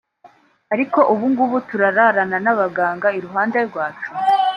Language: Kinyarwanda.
ariko ubu ngubu turarana n’abaganga iruhande rwacu